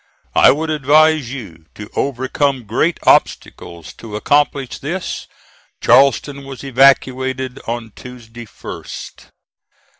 I would advise you to overcome great obstacles to accomplish this. Charleston was evacuated on Tuesday 1st.